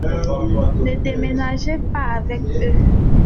Ne déménagez pas avec eux.